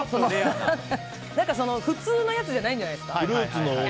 普通のやつじゃないんじゃないですか。